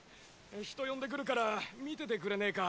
人呼んでくるから見ててくれねェか？